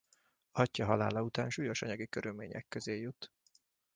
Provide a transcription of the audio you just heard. Atyja halála után súlyos anyagi körülmények közé jut.